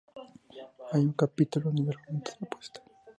Hay un capítulo en el argumento de la apuesta.